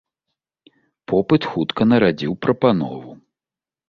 Попыт хутка нарадзіў прапанову.